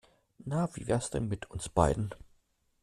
Na, wie wär's denn mit uns beiden?